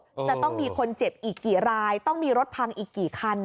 จะต้องมีคนเจ็บอีกกี่รายต้องมีรถพังอีกกี่คัน